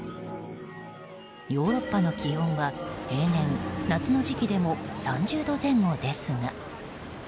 ヨーロッパの気温は平年夏の時期でも３０度前後ですが。